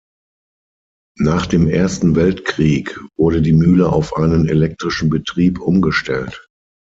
Nach dem Ersten Weltkrieg wurde die Mühle auf einen elektrischen Betrieb umgestellt.